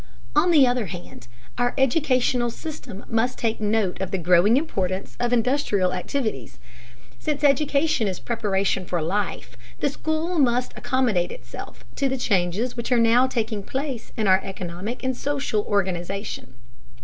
On the other hand, our educational system must take note of the growing importance of industrial activities. Since education is preparation for life, the school must accommodate itself to the changes which are now taking place in our economic and social organization.